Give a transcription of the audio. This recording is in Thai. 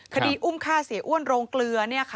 คดีอุ้มฆ่าเสียอ้วนโรงเกลือ